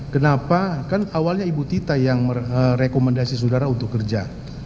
kenapa kan awalnya ibu tita yang merekomendasi saudara untuk kerja